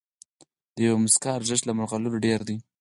د یوې موسکا ارزښت له مرغلرو ډېر دی.